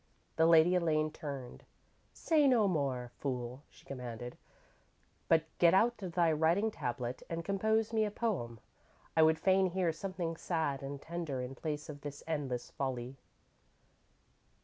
_ _The Lady Elaine turned. "Say no more, fool," she commanded, "but get out thy writing tablet and compose me a poem. I would fain hear something sad and tender in place of this endless folly."